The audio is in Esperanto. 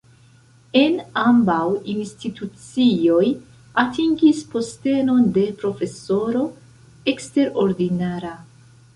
En ambaŭ institucioj atingis postenon de profesoro eksterordinara.